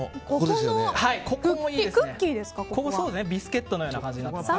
ビスケットのような感じになっています。